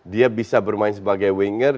dia bisa bermain sebagai winger